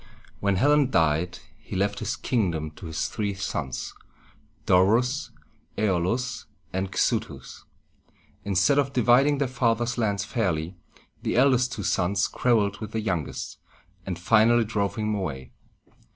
When Hellen died, he left his kingdom to his three sons, Do´rus, Æ´o lus, and Xu´thus. Instead of dividing their father's lands fairly, the eldest two sons quarreled with the youngest, and finally drove him away.